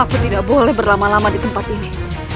aku tidak boleh berlama lama di tempat ini